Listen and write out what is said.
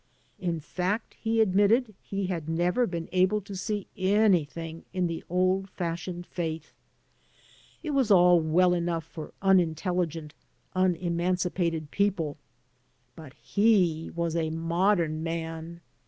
In f act, he admitted, he had never been able to see anything in the old fashioned faith. It was all well enough for unintelligent, un emancipated pepple, but he was a modem man.